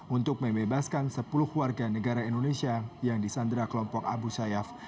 untuk membebaskan sepuluh warga negara indonesia yang disandra kelompok abu sayyaf